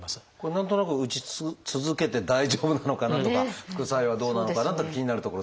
何となく打ち続けて大丈夫なのかなとか副作用はどうなのかなと気になるところですが。